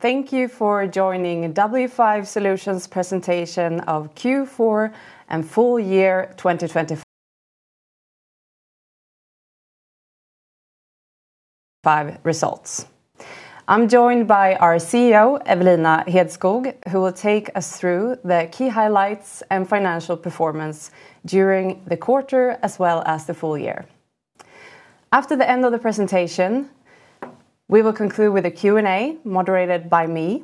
Thank you for joining W5 Solutions presentation of Q4 and full year 2025 results. I'm joined by our CEO, Evelina Hedskog, who will take us through the key highlights and financial performance during the quarter, as well as the full year. After the end of the presentation, we will conclude with a Q&A moderated by me.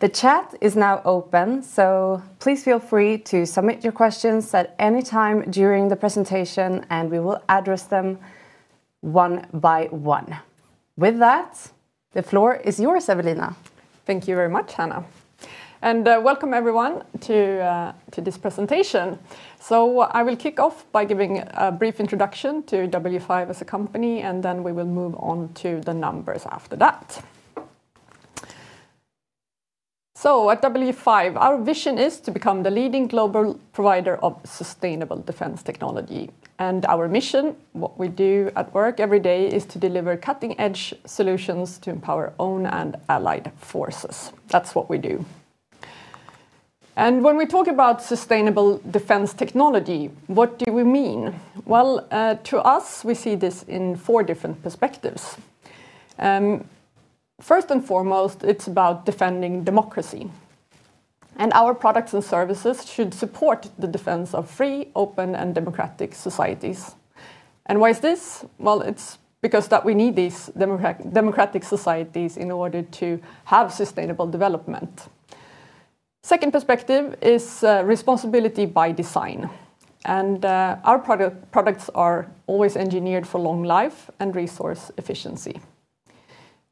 The chat is now open, so please feel free to submit your questions at any time during the presentation, and we will address them one by one. With that, the floor is yours, Evelina. Thank you very much, Hanna, and welcome everyone to this presentation. So I will kick off by giving a brief introduction to W5 as a company, and then we will move on to the numbers after that. So at W5, our vision is to become the leading global provider of sustainable defense technology, and our mission, what we do at work every day, is to deliver cutting-edge solutions to empower own and allied forces. That's what we do. And when we talk about sustainable defense technology, what do we mean? Well, to us, we see this in four different perspectives. First and foremost, it's about defending democracy, and our products and services should support the defense of free, open, and democratic societies. And why is this? Well, it's because that we need these democratic, democratic societies in order to have sustainable development. Second perspective is responsibility by design, and our products are always engineered for long life and resource efficiency.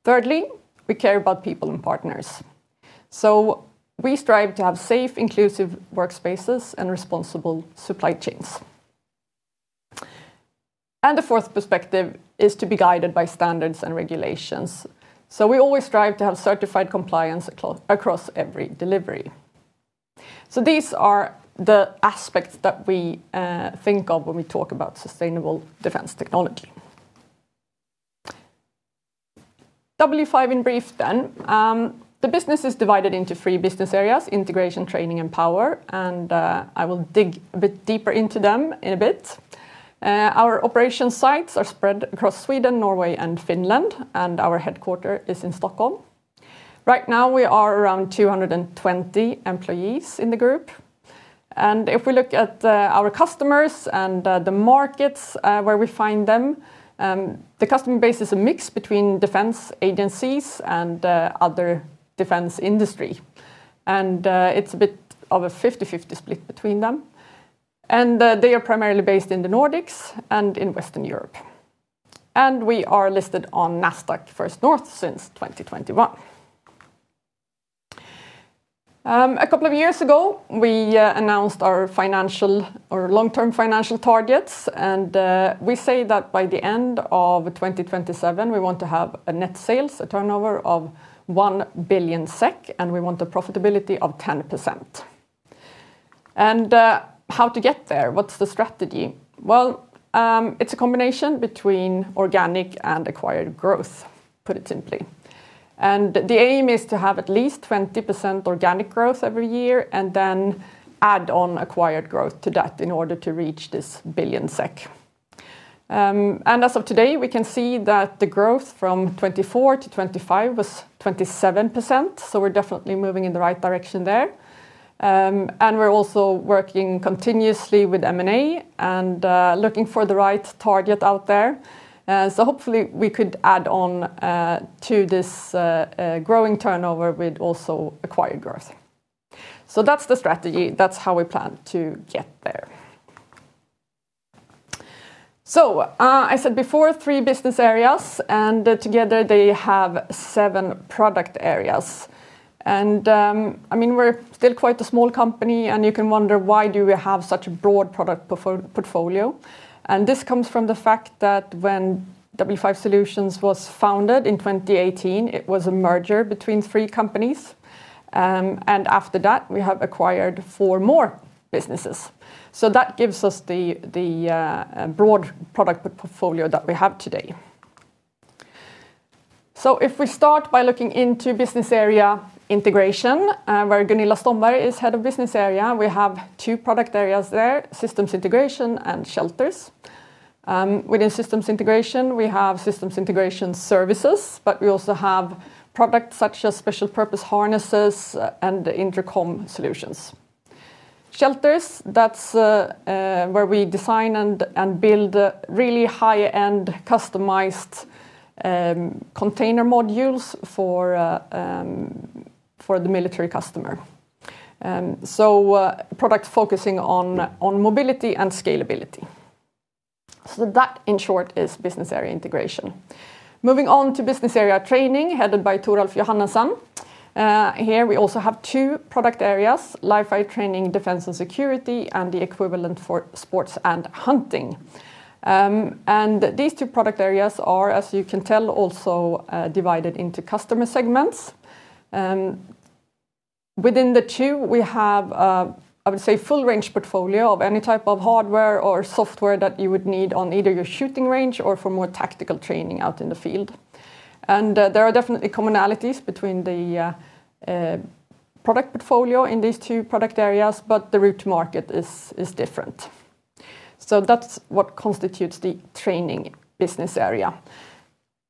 Thirdly, we care about people and partners, so we strive to have safe, inclusive workspaces and responsible supply chains. And the fourth perspective is to be guided by standards and regulations, so we always strive to have certified compliance across every delivery. So these are the aspects that we think of when we talk about sustainable defense technology. W5 in brief, then. The business is divided into three business areas: Integration, Training, and Power, and I will dig a bit deeper into them in a bit. Our operational sites are spread across Sweden, Norway, and Finland, and our headquarters is in Stockholm. Right now, we are around 220 employees in the group. If we look at our customers and the markets where we find them, the customer base is a mix between defense agencies and other defense industry. It's a bit of a 50/50 split between them, and they are primarily based in the Nordics and in Western Europe. We are listed on Nasdaq First North since 2021. A couple of years ago, we announced our financial... our long-term financial targets, and we say that by the end of 2027, we want to have net sales, a turnover of 1 billion SEK, and we want a profitability of 10%. How to get there? What's the strategy? Well, it's a combination between organic and acquired growth, put it simply. The aim is to have at least 20% organic growth every year and then add on acquired growth to that in order to reach this 1 billion SEK. As of today, we can see that the growth from 2024 to 2025 was 27%, so we're definitely moving in the right direction there. And we're also working continuously with M&A and looking for the right target out there. So hopefully, we could add on to this growing turnover with also acquired growth. So that's the strategy. That's how we plan to get there. So I said before, three business areas, and together they have seven product areas. And I mean, we're still quite a small company, and you can wonder, why do we have such a broad product portfolio? This comes from the fact that when W5 Solutions was founded in 2018, it was a merger between three companies, and after that, we have acquired four more businesses. That gives us the broad product portfolio that we have today. If we start by looking into Business Area Integration, where Gunilla Stomberg is Head of Business Area, we have two product areas there, Systems Integration and Shelters. Within Systems Integration, we have systems integration services, but we also have products such as special purpose harnesses and intercom solutions. Shelters, that's where we design and build really high-end, customized container modules for the military customer. Products focusing on mobility and scalability. That, in short, is Business Area Integration. Moving on to Business Area Training, headed by Toralf Johannesson. Here we also have two product areas, Live Fire Training, defense and security, and the equivalent for sports and hunting. And these two product areas are, as you can tell, also, divided into customer segments. Within the two, we have, I would say, full range portfolio of any type of hardware or software that you would need on either your shooting range or for more tactical training out in the field. And there are definitely commonalities between the, product portfolio in these two product areas, but the route to market is different. So that's what constitutes the Training business area.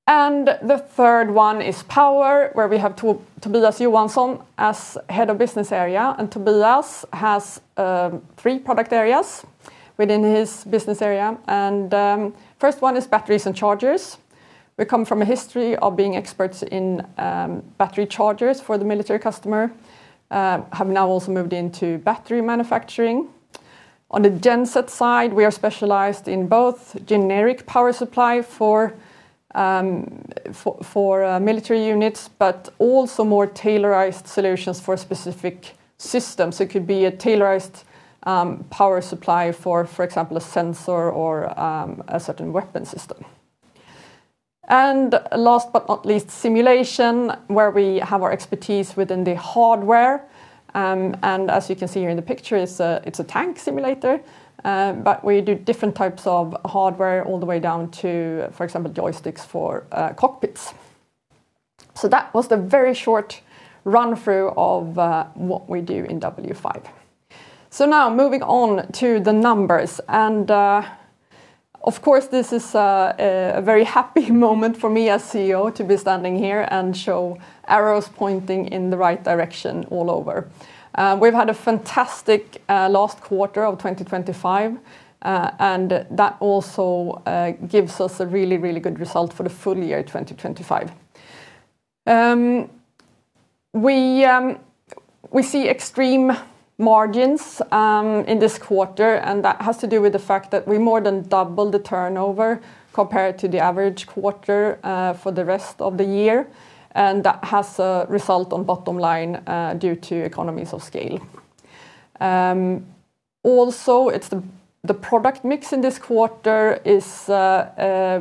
And the third one is Power, where we have Tobias Johansson as Head of Business Area, and Tobias has three product areas within his business area. And first one is Batteries and Chargers. We come from a history of being experts in battery chargers for the military customer, have now also moved into battery manufacturing. On the genset side, we are specialized in both generic power supply for military units, but also more tailored solutions for specific systems. It could be a tailored power supply for example, a sensor or a certain weapon system. And last but not least, simulation, where we have our expertise within the hardware. And as you can see here in the picture, it's a tank simulator, but we do different types of hardware all the way down to, for example, joysticks for cockpits. So that was the very short run-through of what we do in W5. So now, moving on to the numbers, and, of course, this is a very happy moment for me as CEO to be standing here and show arrows pointing in the right direction all over. We've had a fantastic last quarter of 2025, and that also gives us a really, really good result for the full year 2025. We see extreme margins in this quarter, and that has to do with the fact that we more than doubled the turnover compared to the average quarter for the rest of the year, and that has a result on bottom line due to economies of scale. Also, it's the product mix in this quarter is, I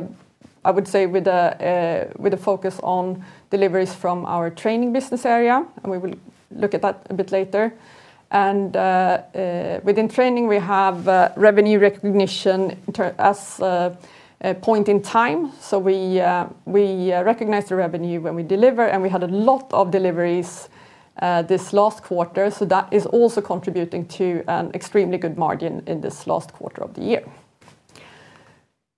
would say, with a focus on deliveries from our Training business area, and we will look at that a bit later. Within Training, we have revenue recognition as a point in time. So we recognize the revenue when we deliver, and we had a lot of deliveries this last quarter, so that is also contributing to an extremely good margin in this last quarter of the year.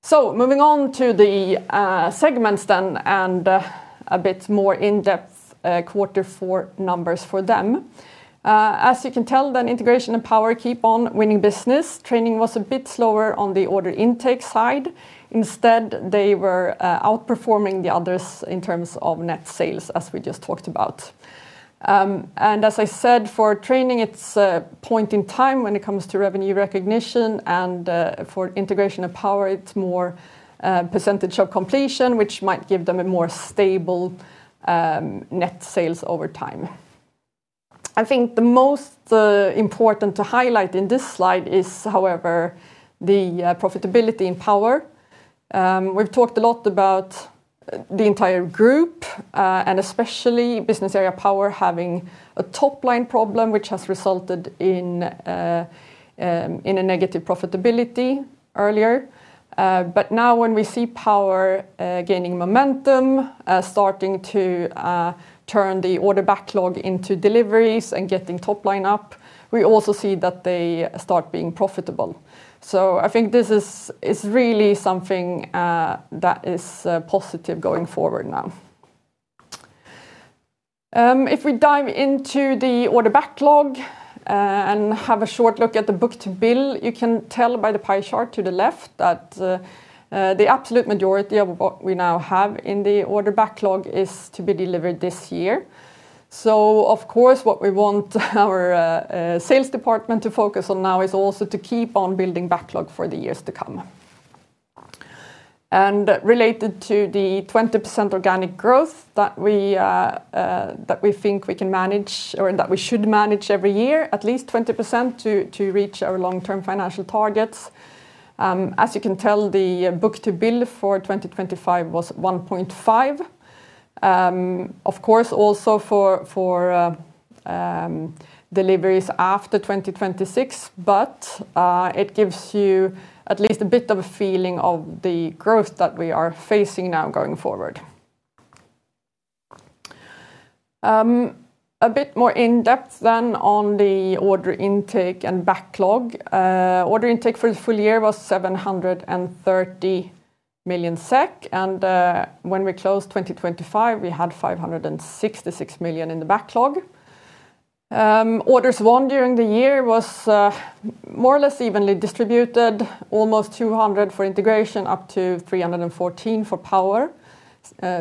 So moving on to the segments then, and a bit more in-depth, quarter four numbers for them. As you can tell, then, Integration and Power keep on winning business. Training was a bit slower on the order intake side. Instead, they were outperforming the others in terms of net sales, as we just talked about. And as I said, for training, it's a point in time when it comes to revenue recognition, and for Integration of Power, it's more percentage of completion, which might give them a more stable net sales over time. I think the most important to highlight in this slide is, however, the Profitability in Power. We've talked a lot about the entire group and especially Business Area Power, having a top-line problem, which has resulted in a negative profitability earlier. But now when we see Power gaining momentum, starting to turn the order backlog into deliveries and getting top line up, we also see that they start being profitable. So I think this is really something that is positive going forward now. If we dive into the order backlog and have a short look at the book-to-bill, you can tell by the pie chart to the left that the absolute majority of what we now have in the order backlog is to be delivered this year. So of course, what we want our sales department to focus on now is also to keep on building backlog for the years to come. And related to the 20% organic growth that we think we can manage or that we should manage every year, at least 20%, to reach our long-term financial targets. As you can tell, the book-to-bill for 2025 was 1.5. Of course, also for deliveries after 2026, but it gives you at least a bit of a feeling of the growth that we are facing now going forward. A bit more in-depth then on the order intake and backlog. Order intake for the full year was 730 million SEK, and when we closed 2025, we had 566 million in the backlog. Orders won during the year was more or less evenly distributed, almost 200 for Integration, up to 314 for Power,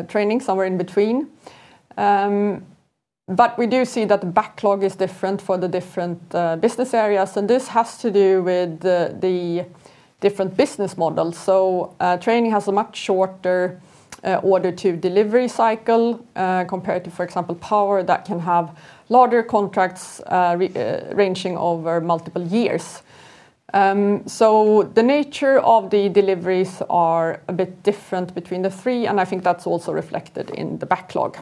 Training somewhere in between. But we do see that the backlog is different for the different business areas, and this has to do with the different business models. So, Training has a much shorter order-to-delivery cycle compared to, for example, Power, that can have larger contracts ranging over multiple years. So the nature of the deliveries are a bit different between the three, and I think that's also reflected in the backlog.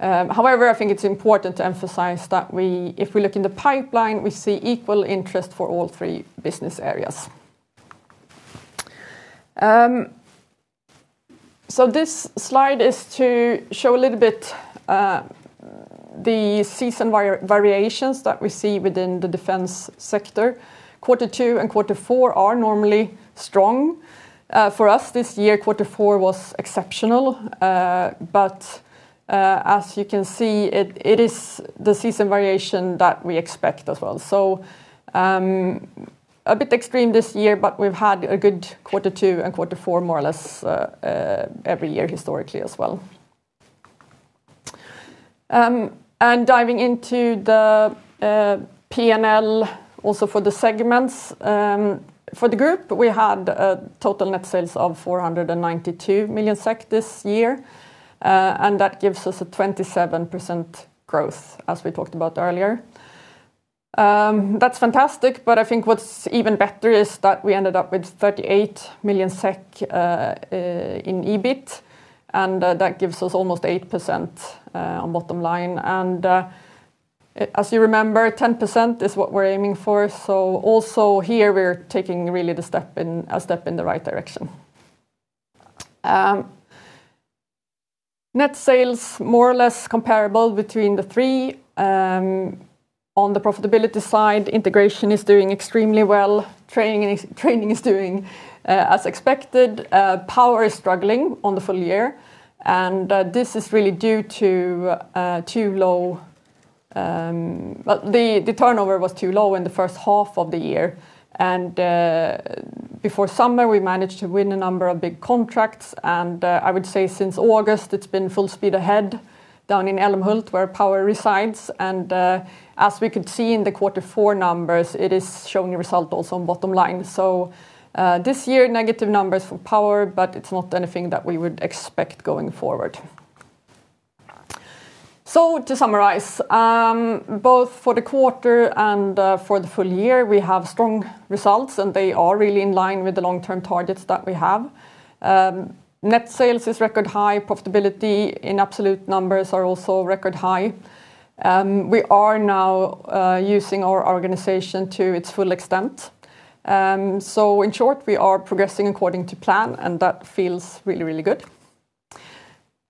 However, I think it's important to emphasize that we, if we look in the pipeline, we see equal interest for all three business areas. So this slide is to show a little bit the seasonal variations that we see within the defense sector. Quarter two and quarter four are normally strong. For us, this year, quarter four was exceptional. But as you can see, it is the seasonal variation that we expect as well. So, a bit extreme this year, but we've had a good quarter two and quarter four, more or less, every year, historically, as well. And diving into the P&L, also for the segments, for the group, we had a total net sales of 492 million SEK this year, and that gives us a 27% growth, as we talked about earlier. That's fantastic, but I think what's even better is that we ended up with 38 million SEK in EBIT, and that gives us almost 8% on bottom line. And as you remember, 10% is what we're aiming for. So also here, we're taking a step in the right direction. Net sales, more or less comparable between the three. On the profitability side, Integration is doing extremely well. Training is doing as expected. Power is struggling on the full year, and this is really due to too low. Well, the turnover was too low in the first half of the year, and before summer, we managed to win a number of big contracts, and I would say since August, it's been full speed ahead down in Älmhult, where Power resides. And as we could see in the quarter four numbers, it is showing a result also on bottom line. This year, negative numbers for Power, but it's not anything that we would expect going forward. So to summarize, both for the quarter and for the full year, we have strong results, and they are really in line with the long-term targets that we have. Net sales is record high. Profitability in absolute numbers are also record high. We are now using our organization to its full extent. So in short, we are progressing according to plan, and that feels really, really good.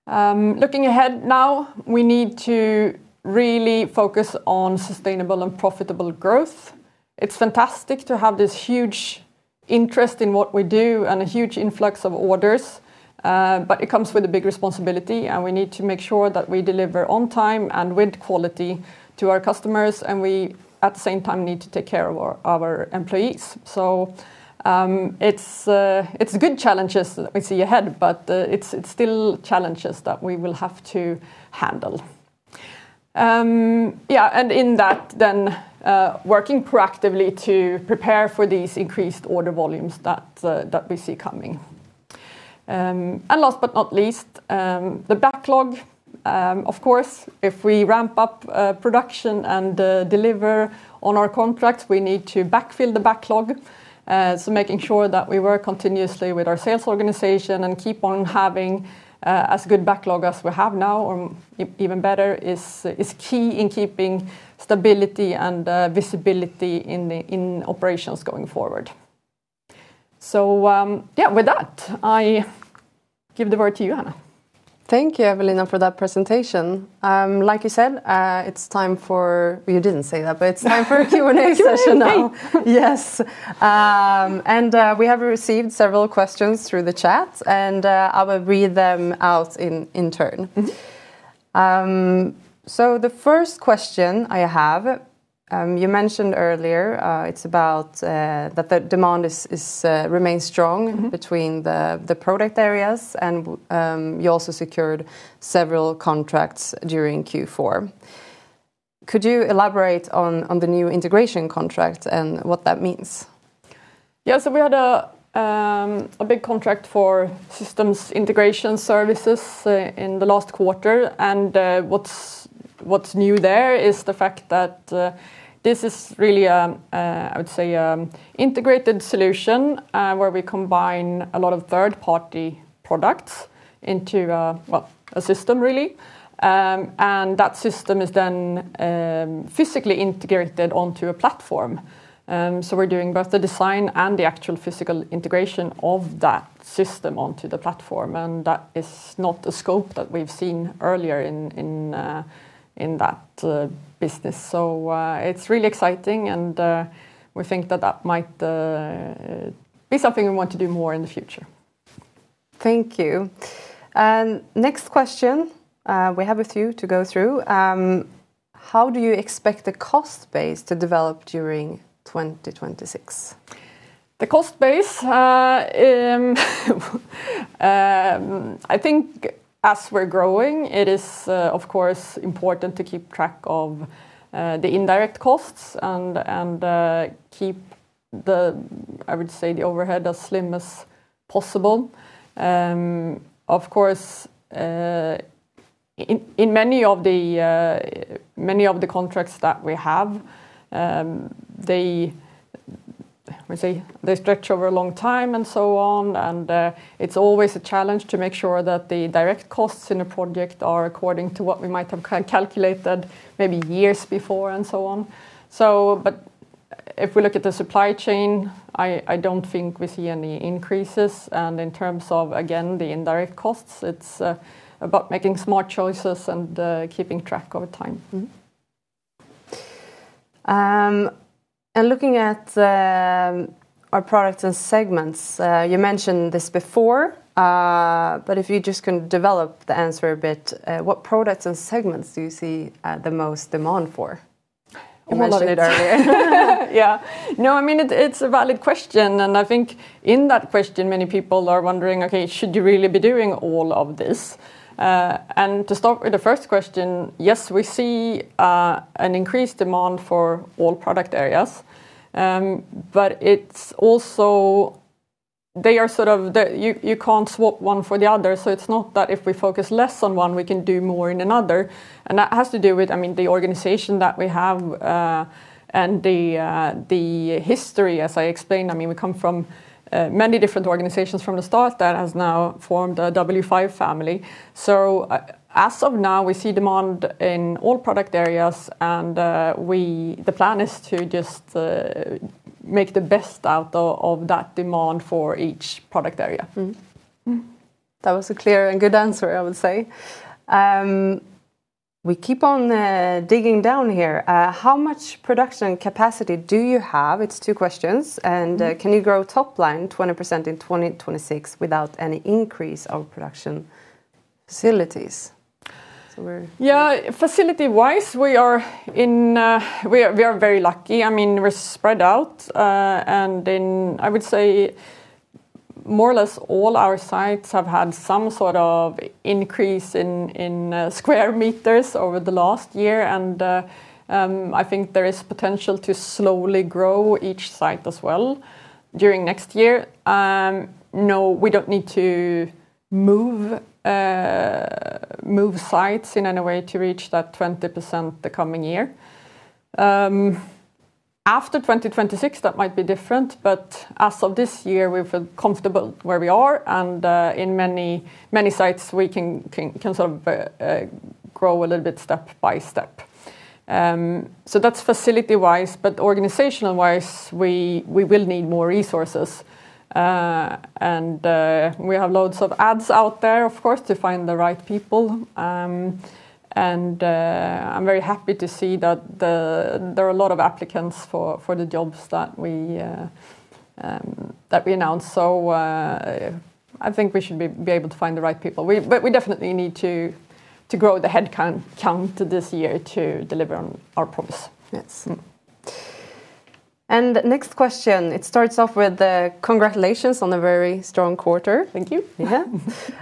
Looking ahead now, we need to really focus on sustainable and profitable growth. It's fantastic to have this huge interest in what we do and a huge influx of orders, but it comes with a big responsibility, and we need to make sure that we deliver on time and with quality to our customers, and we, at the same time, need to take care of our, our employees. So, it's good challenges that we see ahead, but it's still challenges that we will have to handle. Yeah, and in that, then, working proactively to prepare for these increased order volumes that we see coming. And last but not least, the backlog. Of course, if we ramp up production and deliver on our contracts, we need to backfill the backlog. So making sure that we work continuously with our sales organization and keep on having as good backlog as we have now or even better, is key in keeping stability and visibility in the operations going forward. So, yeah, with that, I give the word to you, Hanna. Thank you, Evelina, for that presentation. Like you said, it's time for... You didn't say that, but it's time for a Q&A session now. Q&A! Yes. And, we have received several questions through the chat, and I will read them out in turn. Mm-hmm. The first question I have, you mentioned earlier, it's about that the demand remains strong. Mm-hmm... between the product areas, and you also secured several contracts during Q4. Could you elaborate on the new Integration contract and what that means? Yeah, so we had a big contract for systems integration services in the last quarter, and what's new there is the fact that this is really I would say integrated solution where we combine a lot of third-party products into a, well, a system, really. And that system is then physically integrated onto a platform. So we're doing both the design and the actual physical integration of that system onto the platform, and that is not a scope that we've seen earlier in that business. So it's really exciting, and we think that that might be something we want to do more in the future. Thank you. Next question, we have a few to go through. How do you expect the cost base to develop during 2026? The cost base, I think as we're growing, it is, of course, important to keep track of, the indirect costs and, keep the, I would say, the overhead as slim as possible. Of course, in many of the contracts that we have, they, let's say, they stretch over a long time and so on, and, it's always a challenge to make sure that the direct costs in a project are according to what we might have calculated maybe years before and so on. So but if we look at the supply chain, I don't think we see any increases, and in terms of, again, the indirect costs, it's, about making smart choices and, keeping track over time. Mm-hmm. And looking at our product and segments, you mentioned this before, but if you just can develop the answer a bit, what products and segments do you see the most demand for? You mentioned it earlier. All of it. Yeah. No, I mean, it's a valid question, and I think in that question, many people are wondering, okay, should you really be doing all of this? And to start with the first question, yes, we see an increased demand for all product areas. But it's also... They are sort of you can't swap one for the other, so it's not that if we focus less on one, we can do more in another. And that has to do with, I mean, the organization that we have, and the history, as I explained. I mean, we come from many different organizations from the start that has now formed a W5 family. So, as of now, we see demand in all product areas, and the plan is to just make the best out of that demand for each product area. Mm-hmm. Mm. That was a clear and good answer, I would say. We keep on digging down here. How much production capacity do you have? It's two questions. Mm-hmm. Can you grow top line 20% in 2026 without any increase of production facilities? So we're- Yeah, facility-wise, we are in... We are very lucky. I mean, we're spread out, and then I would say more or less all our sites have had some sort of increase in square meters over the last year. And I think there is potential to slowly grow each site as well during next year. No, we don't need to move sites in any way to reach that 20% the coming year. After 2026, that might be different, but as of this year, we feel comfortable where we are, and in many sites we can sort of grow a little bit step by step. So that's facility-wise, but organizational-wise, we will need more resources. We have loads of ads out there, of course, to find the right people. I'm very happy to see that there are a lot of applicants for the jobs that we announced. I think we should be able to find the right people. But we definitely need to grow the headcount this year to deliver on our promise. Yes. Mm. And next question, it starts off with, "Congratulations on a very strong quarter. Thank you. Yeah.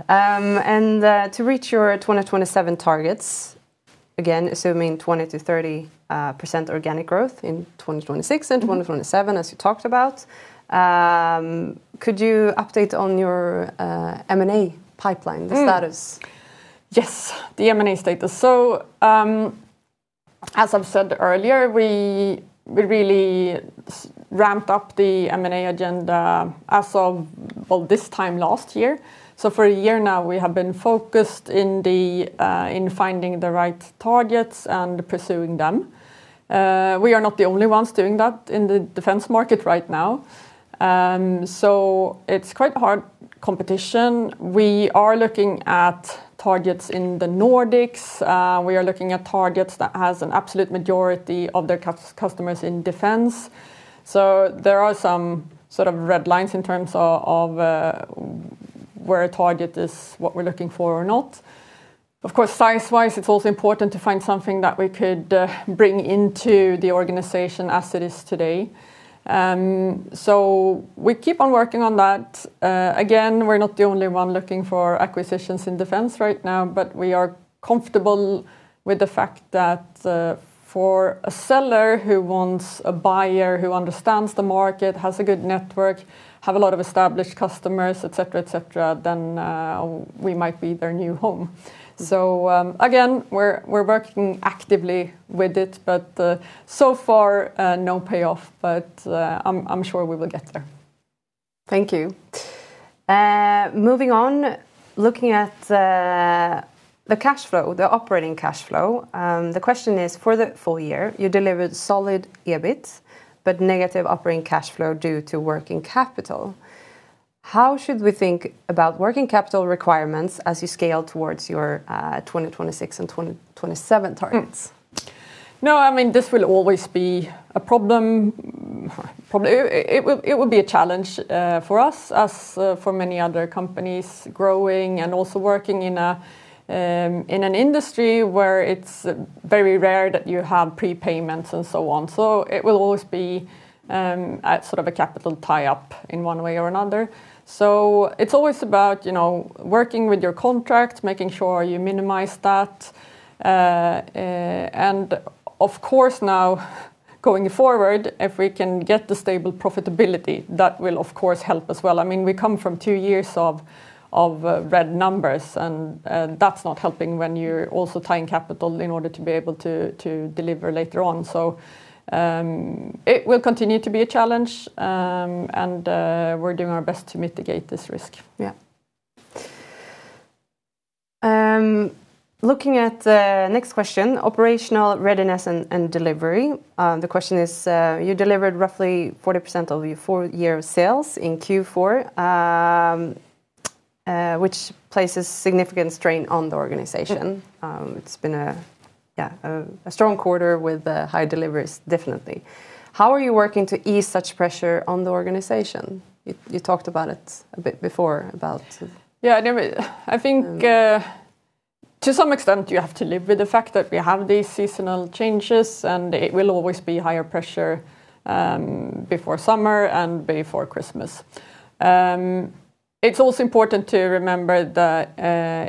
And, to reach your 2027 targets, again, assuming 20%-30% organic growth in 2026 and 2027, as you talked about, could you update on your M&A pipeline? Mm. -the status? Yes, the M&A status. So, as I've said earlier, we really ramped up the M&A agenda as of, well, this time last year. So for a year now, we have been focused in the, in finding the right targets and pursuing them. We are not the only ones doing that in the defense market right now. So it's quite hard competition. We are looking at targets in the Nordics. We are looking at targets that has an absolute majority of their customers in defense. So there are some sort of red lines in terms of, of, where a target is, what we're looking for or not. Of course, size-wise, it's also important to find something that we could, bring into the organization as it is today. So we keep on working on that. Again, we're not the only one looking for acquisitions in defense right now, but we are comfortable with the fact that for a seller who wants a buyer who understands the market, has a good network, have a lot of established customers, et cetera, et cetera, then we might be their new home. Mm. Again, we're working actively with it, but so far, no payoff, but I'm sure we will get there. Thank you. Moving on, looking at the cash flow, the operating cash flow, the question is: For the full year, you delivered solid EBIT, but negative operating cash flow due to working capital. How should we think about working capital requirements as you scale towards your 2026 and 2027 targets? No, I mean, this will always be a problem. It will, it will be a challenge for us, as for many other companies growing and also working in a in an industry where it's very rare that you have prepayments and so on. So it will always be at sort of a capital tie-up in one way or another. So it's always about, you know, working with your contract, making sure you minimize that. And of course, now, going forward, if we can get the stable profitability, that will, of course, help as well. I mean, we come from two years of bad numbers, and that's not helping when you're also tying capital in order to be able to, to deliver later on. It will continue to be a challenge, and we're doing our best to mitigate this risk. Yeah. Looking at the next question, operational readiness and delivery. The question is, you delivered roughly 40% of your full year of sales in Q4, which places significant strain on the organization. Yeah. It's been a strong quarter with high deliveries, definitely. How are you working to ease such pressure on the organization? You talked about it a bit before, about- Yeah, I mean, I think, to some extent, you have to live with the fact that we have these seasonal changes, and it will always be higher pressure, before summer and before Christmas. It's also important to remember that,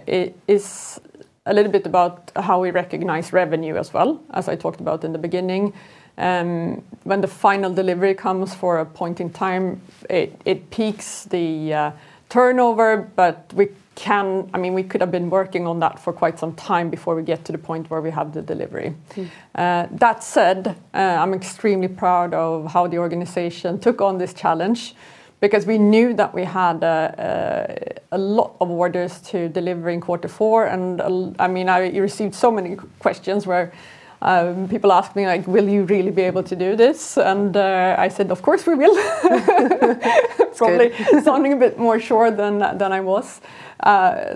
it is a little bit about how we recognize revenue as well, as I talked about in the beginning. When the final delivery comes for a point in time, it, it peaks the, turnover, but we can... I mean, we could have been working on that for quite some time before we get to the point where we have the delivery. Mm. That said, I'm extremely proud of how the organization took on this challenge because we knew that we had a lot of orders to deliver in quarter four, and I mean, I received so many questions where people ask me, like, "Will you really be able to do this?" I said, "Of course, we will. That's good. Probably sounding a bit more sure than I was.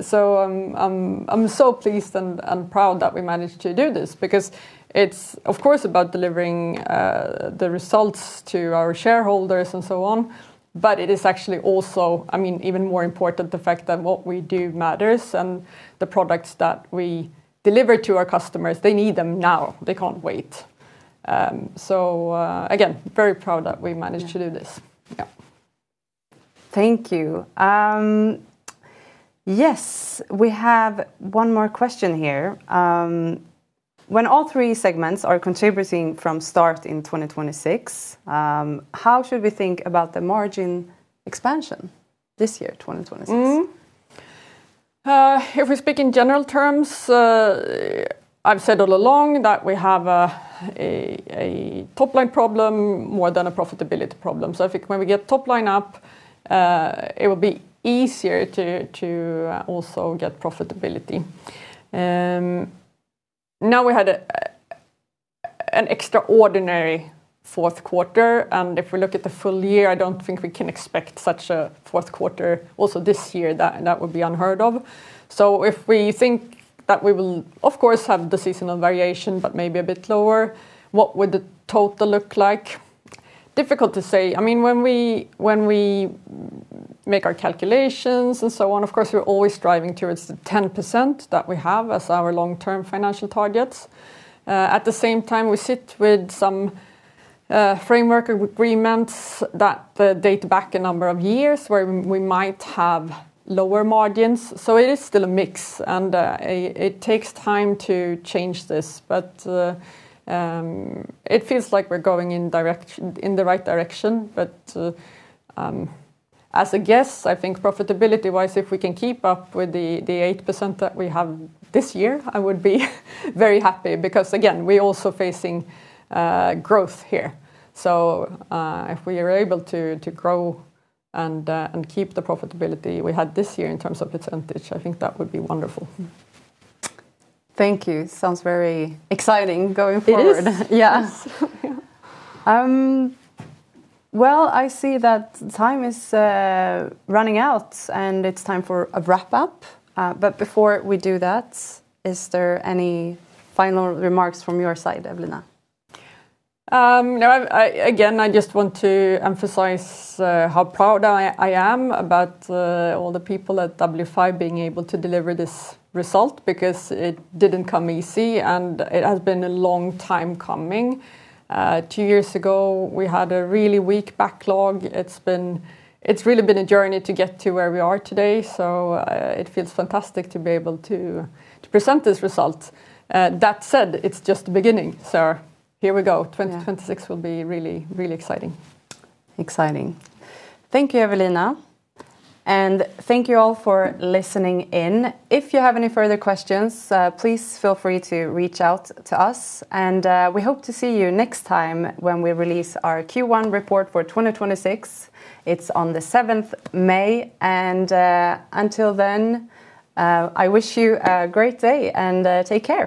So I'm so pleased and proud that we managed to do this because it's, of course, about delivering the results to our shareholders and so on, but it is actually also, I mean, even more important, the fact that what we do matters, and the products that we deliver to our customers, they need them now. They can't wait. So, again, very proud that we managed to do this. Yeah. Yeah. Thank you. Yes, we have one more question here. When all three segments are contributing from start in 2026, how should we think about the margin expansion this year, 2026? If we speak in general terms, I've said all along that we have a top-line problem more than a profitability problem. So I think when we get top line up, it will be easier to also get profitability. Now we had an extraordinary fourth quarter, and if we look at the full year, I don't think we can expect such a fourth quarter also this year. That would be unheard of. So if we think that we will, of course, have the seasonal variation but maybe a bit lower, what would the total look like? Difficult to say. I mean, when we make our calculations and so on, of course, we're always striving towards the 10% that we have as our long-term financial targets. At the same time, we sit with some framework agreements that date back a number of years, where we might have lower margins. So it is still a mix, and it takes time to change this, but it feels like we're going in the right direction. But as a guess, I think profitability-wise, if we can keep up with the 8% that we have this year, I would be very happy because, again, we're also facing growth here. So if we are able to grow and keep the profitability we had this year in terms of percentage, I think that would be wonderful. Thank you. Sounds very exciting going forward. It is. Yeah. Well, I see that time is running out, and it's time for a wrap up. But before we do that, is there any final remarks from your side, Evelina? Again, I just want to emphasize how proud I am about all the people at W5 being able to deliver this result because it didn't come easy, and it has been a long time coming. Two years ago, we had a really weak backlog. It's been... It's really been a journey to get to where we are today, so it feels fantastic to be able to present this result. That said, it's just the beginning, so here we go. Yeah. 2026 will be really, really exciting. Exciting. Thank you, Evelina, and thank you all for listening in. If you have any further questions, please feel free to reach out to us, and we hope to see you next time when we release our Q1 report for 2026. It's on the 7th May, and until then, I wish you a great day, and take care!